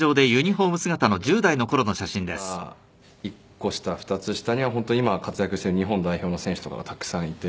で僕らの同期だったりとか１個下２つ下には本当今活躍してる日本代表の選手とかがたくさんいて。